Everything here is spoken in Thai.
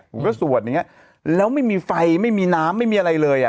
ผมก็สวดอย่างเงี้ยแล้วไม่มีไฟไม่มีน้ำไม่มีอะไรเลยอ่ะ